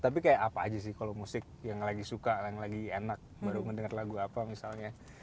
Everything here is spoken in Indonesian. tapi kayak apa aja sih kalau musik yang lagi suka yang lagi enak baru ngedenger lagu apa misalnya